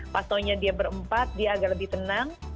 pas taunya dia berempat dia agak lebih tenang